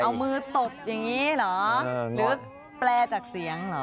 เอามือตบอย่างนี้เหรอหรือแปลจากเสียงเหรอ